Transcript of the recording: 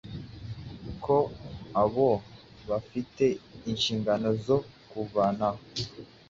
ko abo "bafite inshingano zo kuvanaho